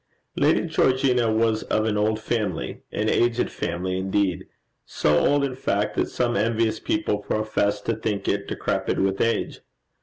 Lady Georgina was of an old family an aged family, indeed; so old, in fact, that some envious people professed to think it decrepit with age.